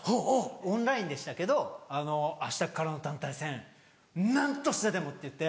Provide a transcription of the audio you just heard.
オンラインでしたけど「明日からの団体戦何としてでも！」って言って。